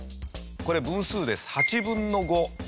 これ分数です８分の５。